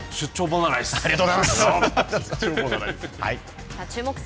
ありがとうございます。